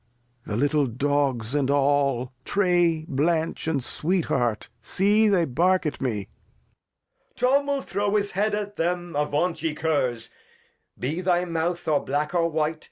\AsiAe. Lear. The little Dogs and aU, Trey, Blanch, and Sweet Heart, see they bark at me. Edg. Tom will throw his Head at 'em; avaunt, ye Curs. Be thy Mouth, or black, or white.